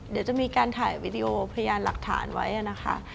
เดี๋ยวจะมีการถ่ายวิดีโอพยานหลักฐานไว้นะคะ